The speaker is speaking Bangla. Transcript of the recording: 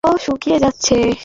স্যালি, হেই!